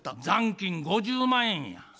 残金５０万円や。